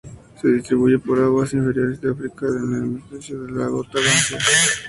Se distribuye por aguas interiores de África, un endemismo del lago Tanganica.